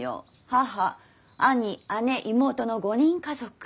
母兄姉妹の５人家族。